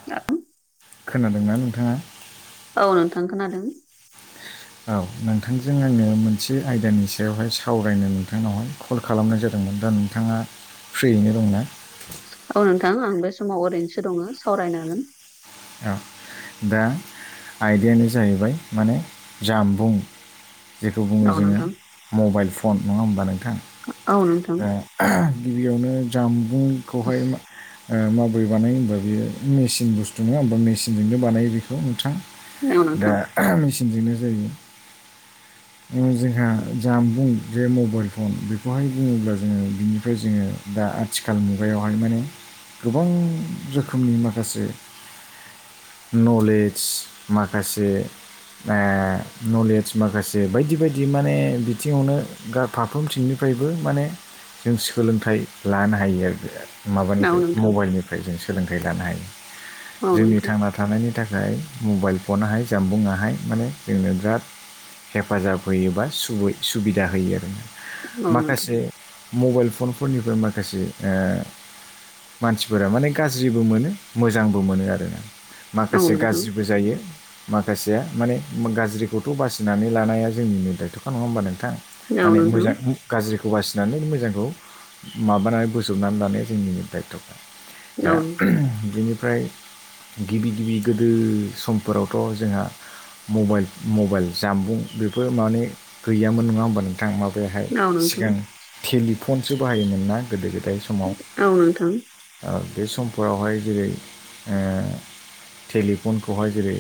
[unintelligible] खोनादोंना नोंथाङा औ नोंथां खोनादों औ नोंथांजों आङो मोनसे आयदानि सायावहाय सावरायनो नोंथांनावहाय कल खालामनाय जादोंमोन दा नोंथाङा फ्रियैनो दंना औ नोंथां आं बे समाव ओरैनोसो दङ सावरायनो हागोन औ दा आयदायानो जाहैबाय माने जामबुं जेखौ बुङो जोङो मबाइल फन नङा होमबा नोंथां औ नोंथां ओ गिबियावनो जामबुंखौहाय माबोरै बानायो होनोमबा बेयो मेसिन बुस्थु नङा होमबा मेसिनजोंनो बानायो बेखौ नोंथाङां औ दा नोंथां मेसिनजोंनो जों [inaudible] जोंहा जामबुं जे मबाइल फन बेखौहाय बुङोब्ला जोङो बिनिफ्राय जोङो दा आथिखाल मुगायावहाय माने गोबां रोखोमनि माखासे नलेज माखासे ख नलेज माखासे बायदि बायदि माने बिथिङावनो फारफ्रोमथिंनिफ्रायबो माने जों सोलोंथाइ लानो हायो आरो औ माबानिफ्राय नोंथां मबाइलनिफ्राय जों सोलोंथाइ लानो हायो औ नोंथां औ जोंनि नोंथां थांना थानायनि थाखाय मबाइल फनहाय जानबुंहाय माने जोंनो बिराद हेफाजाब होयोबा सुबै सुबिदा होयो आरोना माखासे मबाइल फनफोरनिफ्राय माखासे मानसिफोरा माने गाज्रिबो मोनो मोजांबो मोनो आरो औ माखासे नोंथां गाज्रिबो जायो माखासेया माने गाज्रिखौथ' बासिनानै लानाया जोंनिनो दायथ'खा नङा होमबा नोंथां औ माने नोंथां मोजां गाज्रिखौ बासिनानै मोजांखौ माबानानै बोजबनानै लानाया जोंनि दायथ' औ दा नोंथां बिनिफ्राय गिबि गिबि गोदो समफोरावथ' जोंहा मबाइल मबाइल जामबुं बेफोर माने गैयामोन नङा होमबानो माबायाहाय सिगां टेलिफनसो बाहायोमोन ना गोदो गोदाय समाव औ नोंथां बे समफोरावहाय जेरै टेलिफनखौहाय जेरै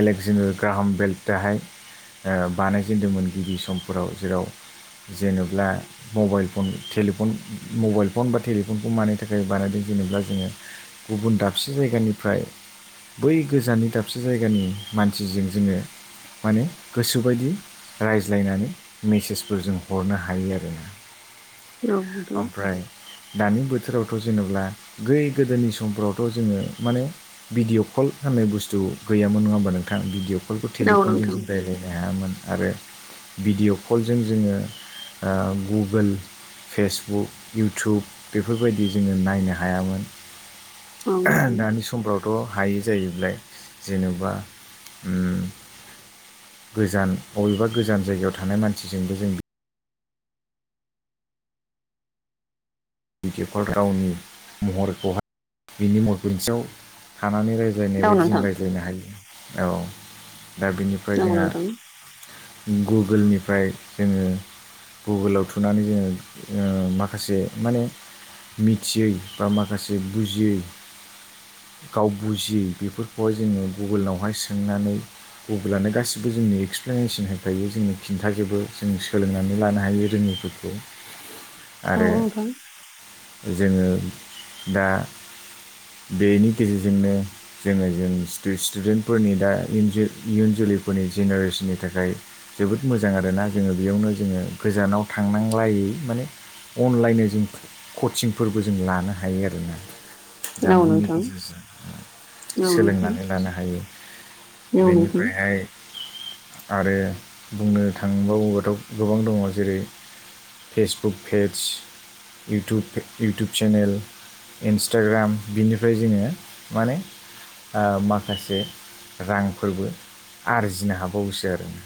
एलेक्जेन ग्राहाम बेल्ट दाहाय बानायजेनदोंमोन गिबि समफोराव जेराव जेना मबाइल फनन मबाइल फन बा टेलिफनखौ मानि थाखाय बानायदों जेनेबा जोङो गुबुन दाबसे जायगानिफ्राय बै गोजाननि दाबसे जायगानि मानसिजों जोङो माने गोसोबायदि रायज्लायनानै मेसेजफोर जों हरनो हायो आरोना औ नोंथां औ नोंथां ओमफ्राय दानि बोथोरावथ' जेनेबला बै गोदोनि समफ्रावथ' जोङो माने भिडिय' कल होननाय बुस्थु गैयामोन नङा होनबा नोंथाङा भियअ कलखौ टेलिफनजों जों रायज्लायनो हायामोन आरो भिडिअ' कलजों जोङो गुगोल फेसबुक इउटुब बेफोरबायदि जोङो नायनो हायामोन औ नोंथां औ नोंथां दानि समफ्रावथ' हायो जाहैल जेनेबा गोजान बबेबा गोजान जायगायाव थानाय मानसिजोंबो जों बिटि एफ गावनि महरखौहाय बिनि महर खसेयाव थानानै रायजो रायज्लायनाय बायदि जों रायज्लायनो हायो औ दा औ बेनिफ्राय जोंहा नोंथां गुगोलनिफ्राय जोङो गुगोलाव थुनानै जोङो माखासे माने मिथियै बा माखासे बुजियै गाव बुजियै बेफोरखौहाय जोङो गुगोलावहाय सोंनानै गुगुलानो गासिबो जोंनि एक्सप्लेनेसन होखायो जोंनो खिन्थाजोबो जों सोलोंनानै लानो हायो रोङिखौ औ औ नोंथां जोङो दा बेनि गेजेरजोंनो जोङो जों स्टुडेन्टफोरनि दा इयुन जोलैफोरनि जेनेरेसननि थाखाय जोबोद मोजां आरोना जोङो बेयावनो जोङो गोजानाव थांनांलायै माने अनलाइन जों कचिंफोरबो जों लानो हायो आरोना जामबुंनि गेजेरजों औ नोंथां औ नोंथां औ नोंथां औ नोंथां औ नोंथां सोलोंनानै लानो हायो बेनिफ्रायहाय आरो बुंनो थांबावबाथ' गोबां दङ जेरै Facebook page YouTube YouTube channel Instagram बिनिफ्राय जोङो माने माखासे रांफोरबो आरजिनो हाबावोसो आरो ना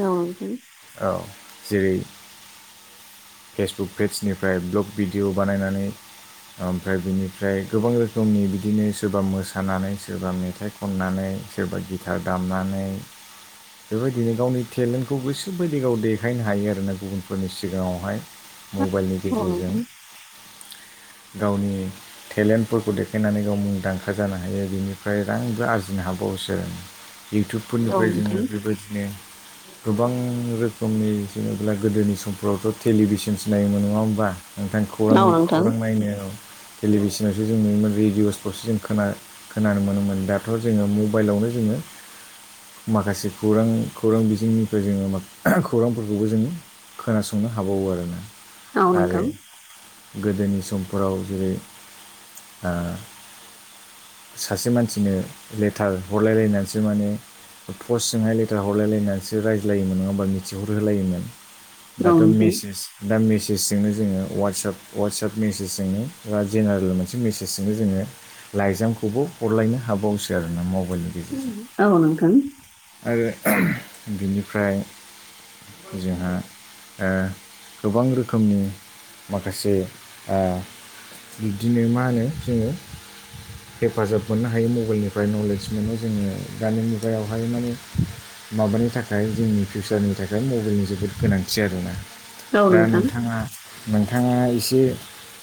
औ नोंथां औ जेरै फेसबुक पेजनिफ्राय ब्लक भिडिअ बानायनानै ओमफ्राय बिनिफ्राय गोबां रोखोमनि बिदिनो सोरबा मोसानानै सोरबा मेथाइ खननानै सोरबा गिथार दामनानै बेबायदिनो गावनि टेलेन्टखौ गोसोबायदि गाव देखायनो हायो आरोना गुबुनफोरनि सिगाङावहाय मबाइलनि गेजेरजों [inaudible] गावनि टेलेन्टफोरखौ देखायनानै गाव मुंदांखा जानो हायो बेनिफ्राय रांबो आरजिनो हाबावोसो इउटुबफोरनिफ्राय जोङो बेबायदिनो गोबां रोखोमनि जेनेब्ला गोदोनि समफ्रावथ' टेलिभिसनस नायोमोन नङा होमबा नोंथां खौरां खौरां नायनो टेलिभिसनावसो जों नुयोमोन रेडिअ'सफ्रावसो जों खोना खोनानो मोनोमोन दाथ' जोङो मबाइलावनो जोङो माखासे खौरां खौरां बिजोंनिफ्राय जोङो खौरांफोरखौबो जोङो खोनासंनो हाबावो आरोना औ आरो नोंथां गोदोनि समफोराव जेरै सासे मानसिनो लेटार हरलायलायनानैसो माने पस्टजोंहाय लेटार हरलायलायनानैसो रायज्लायोमोन नङा होमबा मिथिहरहोलायोमोन दाथ' मेसेस दा मेसेजजोंनो जोङो वासाप वाट्साप मेसेजजोंनो बा जेनेरेल मोनसे मेसेजजोंनो जोङो लाइजामखौबो हरलायनो हाबावसो आरोना मबाइलनि औ गेजेरजों औ नोंथां आरो बिनिफ्राय जोंहा ओ गोबां रोखोमनि माखासे ओ बिब्दिनो मा होनो जोङो हेफाजाब मोननो हायो मबाइलनिफ्राय नलेज मोनो जोङो दानि मुगायावहाय माने माबानि थाखाय जोंनि फिउचारनि थाखाय मबाइलनि जोबोद गोनांथि आरोना औ दा नोंथां। नोंथाङा नोंथाङा एसे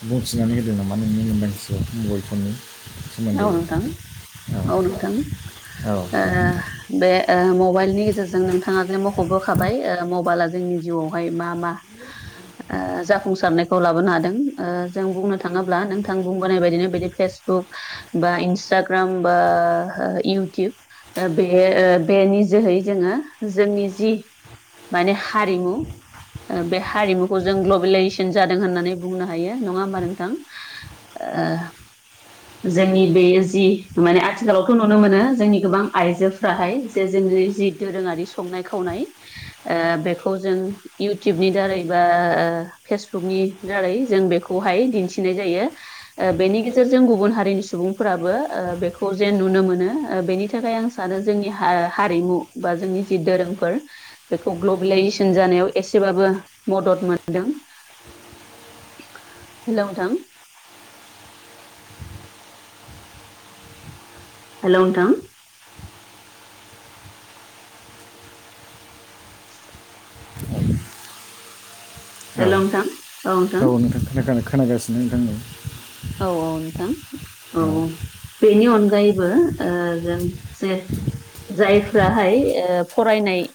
बुंथिनानै होदों नामा नोंनि मोनदांथिखौ औ नोथां औ नोथां औ आ दे नोंथां बे मबाइलनि गेजेरजों नोंथाङा जे मख'बोखाबाय मबाइला जोंनि जिउआवहाय मा जाफुंसारनायखौ लाबोनो हादों जों बुंनो थाङोब्ला नोंथां थां बुंबोनाय बायदिनो बिदि फेसबुक बा इन्सटाग्राम बा इउटुब ओ बे ओ बेनि जोहै जोङो जोंनि जि माने हारिमु ओ बे हारिमुखौ जों ग्लबेलाइजेसन जादों होननानै बुंनो हायो नङा होमबा नोंथां ओ जोंनि बे जि माने आथिखालावथ' नुनो मोनो जोंनि गोबां आइजोफ्राहाय जे जोंनि जि दोरोङारि संनाय खावनाय ओ बेखौ जों इउटुबनि दारै बा ओ फेसबुकनि दारै जों बेखौहाय दिन्थिनाय जायो ओ बेनि गेजेरजों जों गुबुन हारिनि सुबुंफोराबो ओ बेखौ जेन नुनो मोनो ओ बेनि थाखाय आं आरो जोंनि हा हारिमु बा जोंनि जि दोरोंफोर बेखौ ग्लबेलाइजेसन जानायाव एसेबाबो मदद मोनदों हेलौ नोंथां हेल' नोंथां [inaudible] हेल' नोंथां नोंथां औ औ नोंथां खोना खोनागासिनो नोंथांनि औ औ नोंथां औ बेनि अनगायैबो ओ जों जे जायफ्राहाय ओ फरायनाय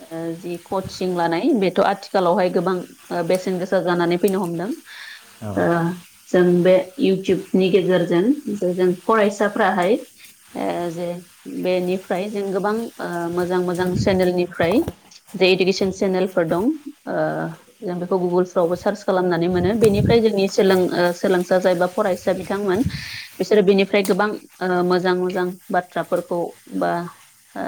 ओ जि कचिं लानाय बेथ' आथिखालावहाय गोबां ओ बेसेन गोसा जानानै फैनो हमदों नोंथां औ ओ जों बे इउटुबनि गेजेरजों जों जों फरायसाफ्राहाय ओ जे बेनिफ्राय जों गोबां ओ मोजां मोजां चेनेलनिफ्राय जे इडुकेसन चेनेलफोर दं ओ जों बेखौ गुगोलफ्रावबो सार्च खालामनानै मोनो बेनिफ्राय जोंनि सोलों ओ सोलोंसा जायबा फरायसा बिथांमोन बिसोरो बिनिफ्राय गोबां ओ मोजां मोजां बाथ्राफोरखौ बा ओ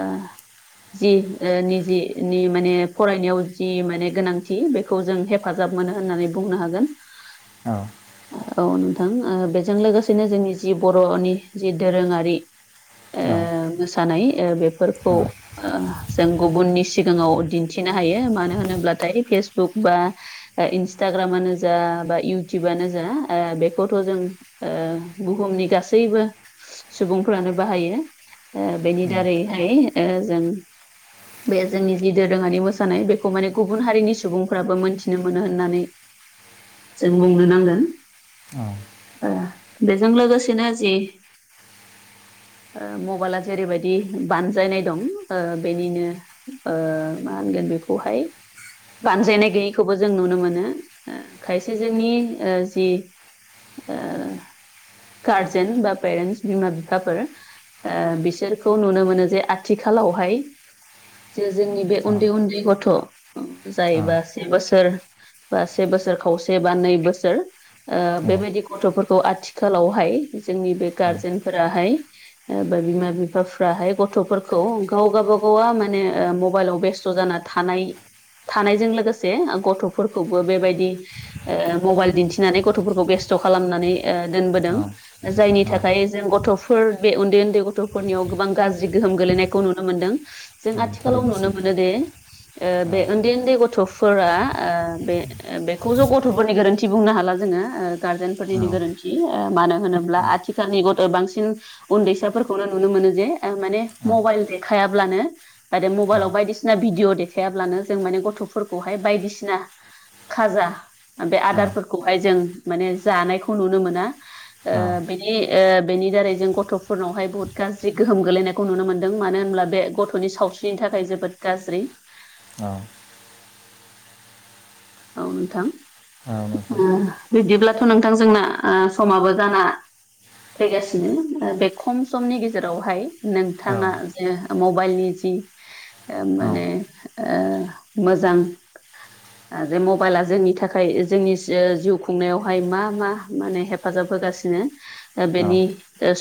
जि ओ निजि नि माने फरायनायाव जि माने गोनांथि बे खौ जों हेफाजाब मोनो होननानै बुंनो हागोन औ औ नोंथां ओ बेजों लोगोसेनो जोंनि जि बर'नि जि दोरोङारि ओ औ मोसानाय ओ बेफोरखौ औ ओ जों गुबुननि सिगाङाव दिन्थिनो हायो मानो होनोब्लाथाय फेसबुक बा ओ इन्सटाग्रामानो जा बा इउटुबानो ओ ओ बेखौथ' जों ओ बुहुमनि गासैबो सुबुंफ्रानो बाहायो ओ बेनि दारैहाय ओ जों बे जोंनि जि दोरोङारि मोसानाय बेखौ माने गुबुन हारिनि सुबुंफ्राबो मोनथिनो मोनो होननानै जों बुंनो नांगोन उम ओ बेजों लोगोसेनो जि ओ मबाइला जेरैबायदि बानजायनाय दं ओ बेनिनो ओ मा होनगोन बेखौहाय बानजायनाय गैयैखौबो जों नुनो मोनो ओ खायसे जोंनि ओ ओ गारजेन बा पेरेन्टस बिमा बिफाफोर ओ बिसोरखौ नुनो मोनो जे आथिखालावहाय जे जोंनि बे उन्दै औ उन्दै गथ' औ जायोबा से बोसोर बा से बोसोर खावसे बा नै बोसोर ओ बेबायदि गथ'फोरखौ आथिखालावहाय जोंनि बे गारजेनफोराहाय ओ बा बिमा बिफाफ्राहाय गथ'फोरखौ गावगाबागावा माने ओ मबाइलाव बेस्थ' जानानै थानाय थानायजों लोगोसे ओ गथ'फोरखौबो बेबायदि ओ मबाइल दिन्थि नानै गथ'फोरखौ बेस्थ' खालामनानै ओ दोनबोदों औ जायनि थाखाय जों गथ' फोर बे उन्दै उन्दै गथ'फोरनियाव गोबां गाज्रि गोहोम गोलैनायखौ नुनो मोनदों जों आथिखालाव थारैनो नुनो सैथो मोनो दे ओ औ बे उन्दै उन्दै गथ'फोरा बे बेखौ ज' गथ'फोरनि गोरोन्थि बुंनो हाला जोङो ओ औ गारजेनफोरनिनो गोरोन्थि मानो होनोब्ला आथिखालनि गथ' बांसिन उन्दैसाफोरखौनो नुनो मोनो जे माने मबाइल देखायाब्लानो आरो मबाइलाव बायदिसिना भिडिअ' देखायाब्लानो जों माने गथ'फोरखौहाय बायदिसिना खाजा बे आदारफोरखौहाय जों माने जानायखौ नुनो मोना ओ औ बि ओ बेनि दारै जों गथ'फोरनावहाय बुहुत गाज्रि गोहोम गो्लैनायखौ नुनो मोन्दों मानो होनब्ला बे गथ'नि सावस्रि बिनि थाखाय जोबोद गाज्रि औ औ नोंथां औ नोंथां बिब्दिब्लाथ' नोंथां जोंना समाबो जाना फैगासिनो बे खम समनि गेजेरावहाय औ नोंथाङा जे मबाइलनि जि ओ माने ओ मोजां जे मबाइला जोंनि थाखाय जोंनि जिउ खुंनायावहाय मा मा माने हेप हेफाजाब होगासिनो ओ बेनि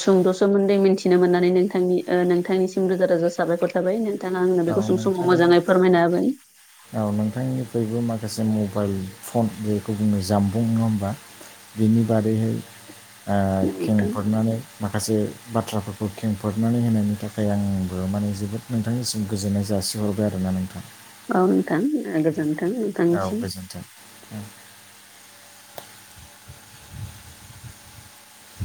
सुंद' सोमोन्दै मिथिनो मोननानै नोंथांनि नोंथांनिसिम रोजा रोजा साबायखर थाबाय नोंथाङा आंनो औ बेखौ औ सम समाव नोंथांनि मोजाङै फोरमायना होबाय औ नोंथांनिफ्राययबो माखासे मबाइल फन बेखौ बुङो जामबुं नङा होमबा बिनि औ बादैहाय नोंथां खेंफोरनानै माखासे बाथ्राफोरखौ खेंफोरनानै होनायनि थाखाय आंबो माने जोबोद नोंथांनि गोजोननाय जासिहरबाय आरो ना नोंथां। औ नोंथां गोजोनथों। औ नोंथांनिसिम गोजोनथों।